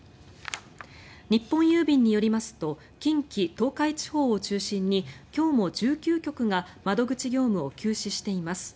日本郵便によりますと近畿・東海地方を中心に今日も１９局が窓口業務を休止しています。